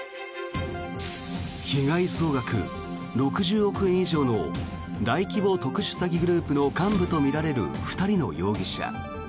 被害総額６０億円以上の大規模特殊詐欺グループの幹部とみられる２人の容疑者。